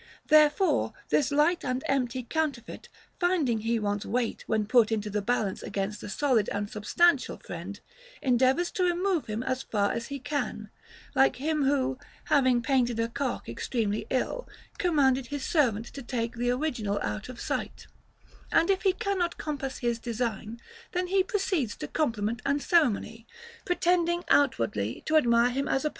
Therefore this light and empty counterfeit, finding he wants weight when put into the balance against a solid and substantial friend, endeavors to remove him as far as he can, like him who, having painted a cock extremely ill, commanded his servant to take the original out of sight ; and if he cannot compass his design, then he proceeds to compliment and ceremony, pretending outwardly to admire him as a FROM Λ FRIEND.